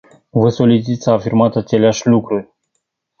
Vă solicit să afirmați aceleași lucruri.